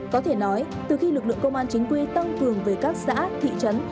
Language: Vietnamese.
có thể nói từ khi lực lượng công an chính quy tăng cường về các xã thị trấn